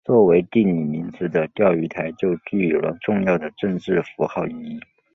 作为地理名词的钓鱼台就具有了重要的政治符号意义。